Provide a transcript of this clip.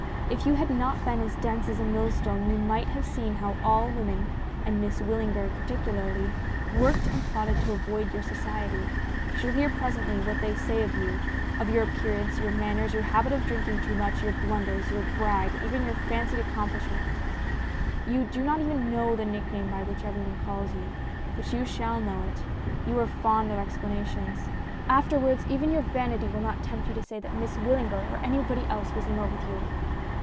If you had not been as dense as a millstone you must have seen how all women and Miss Wyllinger particularly worked and plotted to avoid your society. You shall hear presently what they say of you of your appearance, your manners, your habit of drinking too much, your blunders, your brag, and your fancied accomplish ments. You do not even know the nickname by which everybody calls you. But you shall know it ; you are fond of explanations. Afterwards, even your vanity will not tempt you to say that Miss Wyllinger or anybody else was in love with you."